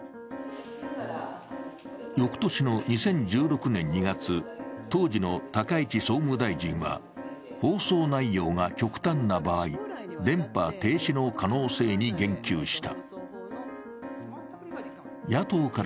翌年の２０１６年２月、当時の高市総務大臣は放送内容が極端な場合、電波停止の可能性に言及した。